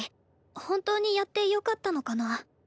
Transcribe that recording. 本当にやってよかったのかな？